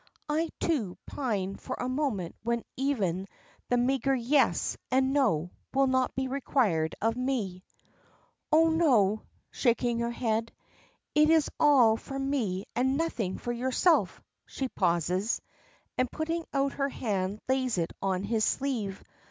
I, too, pine for a moment when even the meagre 'yes' and 'no' will not be required of me." "Oh, no," shaking her head. "It is all for me and nothing for yourself!" she pauses, and putting out her hand lays it on his sleeve.